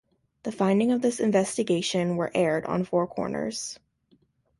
The findings of this investigation were aired on "Four Corners".